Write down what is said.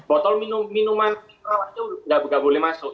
botol minuman mitra itu nggak boleh masuk